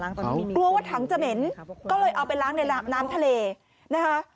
กลัวว่าถังจะเหม็นก็เลยเอาไปล้างในน้ำทะเลนะคะ